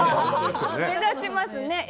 目立ちますね。